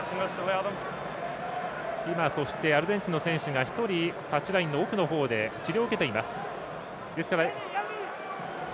アルゼンチンの選手が１人、タッチラインの奥の方で治療を受けています。